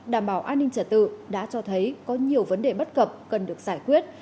đảm bảo an ninh trả tự đã cho thấy có nhiều vấn đề bất cập cần được giải quyết